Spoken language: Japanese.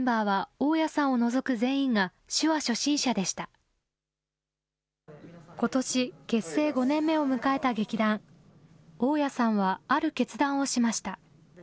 大屋さんはある決断をしました。